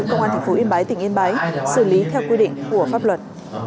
công an tp yên bái tỉnh yên bái xử lý theo quy định của pháp luật